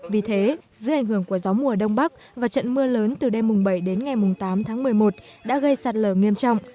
vì thế dưới ảnh hưởng của gió mùa đông bắc và trận mưa lớn từ đêm bảy đến ngày tám tháng một mươi một đã gây sạt lở nghiêm trọng